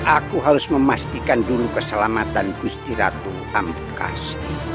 aku harus memastikan dulu keselamatan gusti ratu ambukas